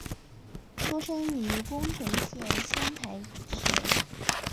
出身于宫城县仙台市。